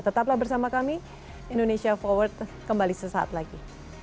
tetaplah bersama kami indonesia forward kembali sesaat lagi